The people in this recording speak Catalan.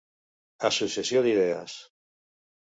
Associació d'idees.